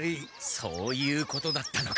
そういうことだったのか。